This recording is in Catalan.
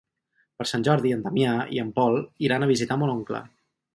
Per Sant Jordi en Damià i en Pol iran a visitar mon oncle.